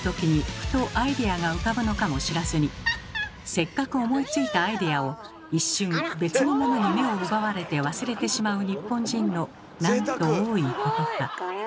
せっかく思いついたアイデアを一瞬別のものに目を奪われて忘れてしまう日本人のなんと多いことか。